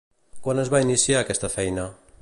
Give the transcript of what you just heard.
Quan es va iniciar aquesta feina?